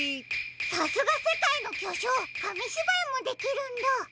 さすがせかいのきょしょうかみしばいもできるんだ！